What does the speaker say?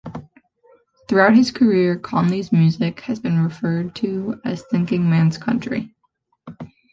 Throughout his career, Conley's music has been referred to as thinking man's country.